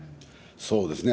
そうですね。